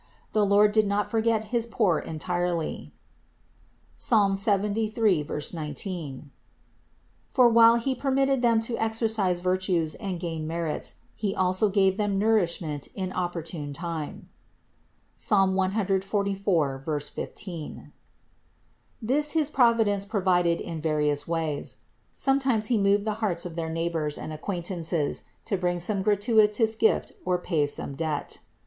The Lord did not forget his poor entirely (Ps. 73, 19), for while He permitted them to exercise virtues and gain merits, He also gave them nourishment in opportune time (Ps. 144, 15). This his Providence provided in various ways. Sometimes He moved the hearts of their neighbors and acquaintances to bring some gratuitous gift or pay some debt.